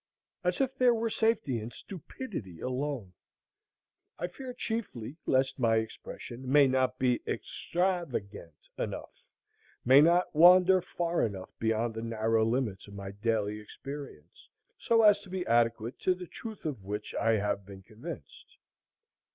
As if there were safety in stupidity alone. I fear chiefly lest my expression may not be extra vagant enough, may not wander far enough beyond the narrow limits of my daily experience, so as to be adequate to the truth of which I have been convinced.